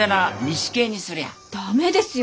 駄目ですよ。